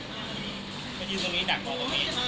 เขายืนตรงนี้ดักรอตรงนี้